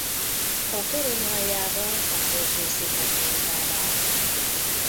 A torony aljában fából készített oltár áll.